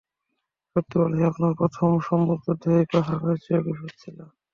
সত্যি বলছি, আমার প্রথম সম্মুখ যুদ্ধ এই পা হারানোর চেয়েও বীভৎস ছিল!